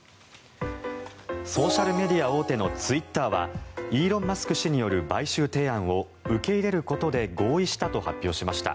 ソーシャルメディア大手のツイッターはイーロン・マスク氏による買収提案を受け入れることで合意したと発表しました。